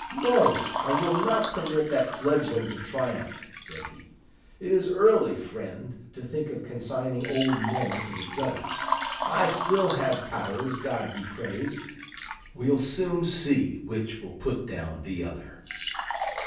'No, I will not permit that fledgling to triumph!' said he: 'it is early, friend, to think of consigning old men to the gutters. I still have powers, God be praised! We'll soon see which will put down the other.